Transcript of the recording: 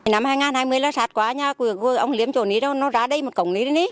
năm hai nghìn hai mươi là sạt quá nha ông liếm chỗ này ra đây một cổng này đây